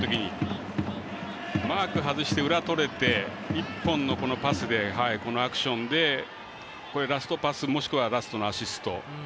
マーク外して裏、取れて、１本のパスでこのアクションでラストパスもしくはラストのアシスト。